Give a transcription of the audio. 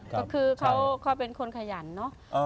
ก็คือเขาเป็นคนขยันเนาะ